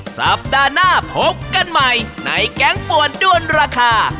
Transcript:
สัปดาห์หน้าพบกันใหม่ในแก๊งป่วนด้วนราคา